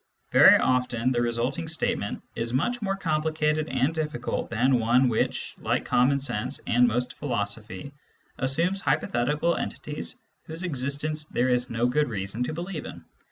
Very often the resulting statement is more complicated and difficult than one which, like common sense and most philosophy, assumes hypothetical entities whose existence there is no good reason to believe in.